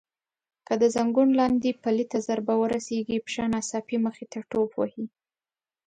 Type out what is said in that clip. که د زنګون لاندې پلې ته ضربه ورسېږي پښه ناڅاپي مخې ته ټوپ وهي.